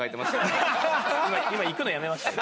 今行くのをやめました。